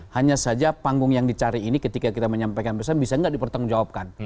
hanya saja panggung yang dicari ini ketika kita menyampaikan pesan bisa tidak dipertanggung jawabkan